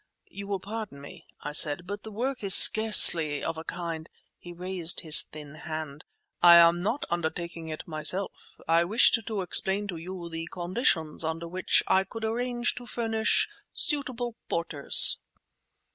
"You will pardon me," I said, "but the work is scarcely of a kind—" He raised his thin hand. "I am not undertaking it myself. I wished to explain to you the conditions under which I could arrange to furnish suitable porters."